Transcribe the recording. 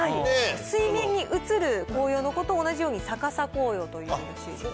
水面に映る紅葉のことを同じように逆さ紅葉というらしいです。